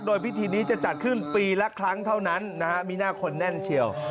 โดยพิธีนี้จะจัดขึ้นปีละครั้งเท่านั้นนะฮะมีหน้าคนแน่นเชียว